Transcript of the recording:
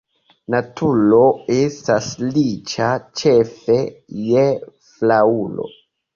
Naturo estas riĉa ĉefe je flaŭro.